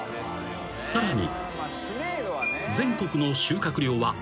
［さらに］